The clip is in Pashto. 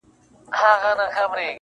• ما ویلي وه چي ته نه سړی کيږې..